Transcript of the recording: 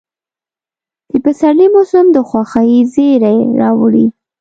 د پسرلي موسم د خوښۍ زېرى راوړي.